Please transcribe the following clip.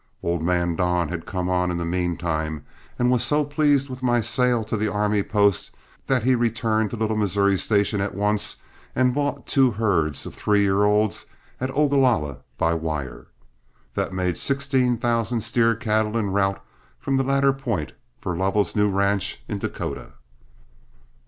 Old man Don had come on in the mean time, and was so pleased with my sale to the army post that he returned to Little Missouri Station at once and bought two herds of three year olds at Ogalalla by wire. This made sixteen thousand steer cattle en route from the latter point for Lovell's new ranch in Dakota.